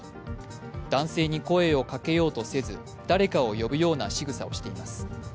男性に声をかけようとせず誰かを呼ぶようなしぐさをしています。